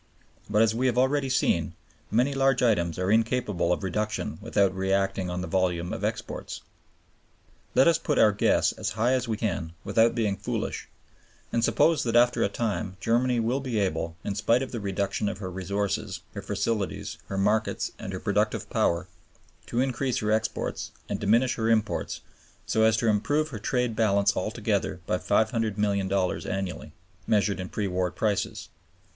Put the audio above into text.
But, as we have already seen, many large items are incapable of reduction without reacting on the volume of exports. Let us put our guess as high as we can without being foolish, and suppose that after a time Germany will be able, in spite of the reduction of her resources, her facilities, her markets, and her productive power, to increase her exports and diminish her imports so as to improve her trade balance altogether by $500,000,000 annually, measured in pre war prices.